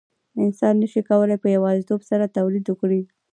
انسان نشي کولای په یوازیتوب سره تولید وکړي.